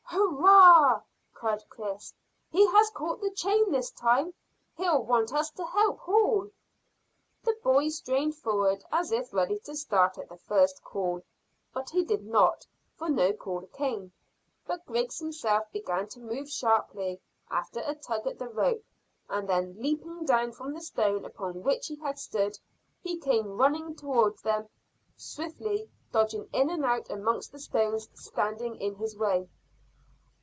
"Hurrah!" cried Chris. "He has caught the chain this time. He'll want us to help haul." The boy strained forward as if ready to start at the first call; but he did not, for no call came, but Griggs himself began to move sharply after a tug at the rope, and then leaping down from the stone upon which he had stood, he came running towards them swiftly, dodging in and out amongst the stones standing in his way.